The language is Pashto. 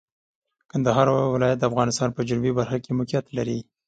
کندهار ولایت د افغانستان په جنوبي برخه کې موقعیت لري.